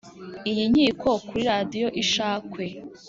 iyi nkiko kuri radio ishakwe.